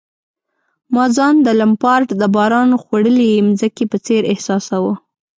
ما ځان د لمپارډ د باران خوړلي مځکې په څېر احساساوه.